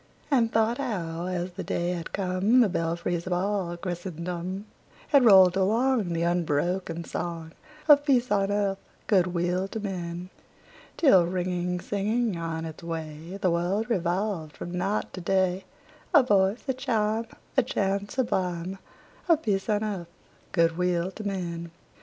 And thought how, as the day had come, The belfries of all Christendom Had rolled along The unbroken song Of peace on earth, good will to men! Till, ringing, singing on its way, The world revolved from night to day, A voice, a chime, A chant sublime Of peace on earth, good will to men!